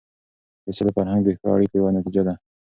د سولې فرهنګ د ښو اړیکو یوه نتیجه ده.